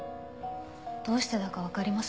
どうしてだかわかります？